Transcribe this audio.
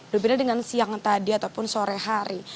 lebih dari dengan siang tadi ataupun sore hari